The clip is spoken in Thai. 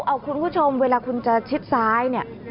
เอ้าคุณผู้ชมเวลาคุณจะชิดซ้าย